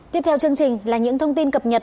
tiếp theo chương trình là những thông tin cập nhật